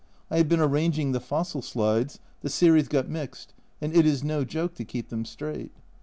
I have been arranging the fossil slides, the series got mixed, and it is no joke to keep them straight.